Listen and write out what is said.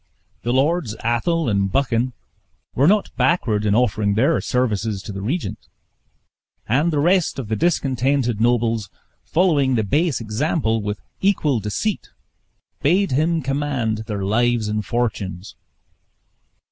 The Lords Athol and Buchan were not backward in offering their services to the regent; and the rest of the discontented nobles, following the base example, with equal deceit bade him command their lives and fortunes.